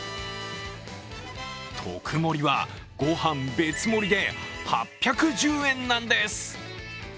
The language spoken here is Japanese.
特盛りは、ご飯別盛りで８１０円なんです。